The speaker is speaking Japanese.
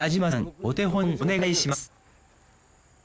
お手本お願いします